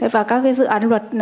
và các cái dự án luật